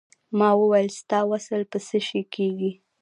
ما وویل ستا وصل په څه شی کېږي.